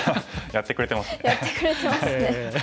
やってくれてますね。